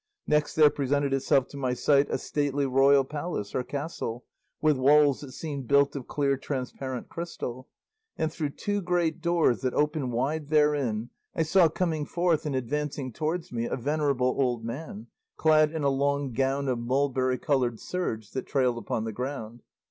Next there presented itself to my sight a stately royal palace or castle, with walls that seemed built of clear transparent crystal; and through two great doors that opened wide therein, I saw coming forth and advancing towards me a venerable old man, clad in a long gown of mulberry coloured serge that trailed upon the ground.